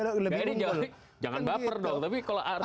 lebih jangan baper dong tapi kalau